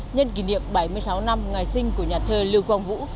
nhân kỷ niệm bảy mươi sáu năm ngày sinh của nhà thơ lưu quang vũ